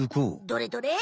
どれどれ？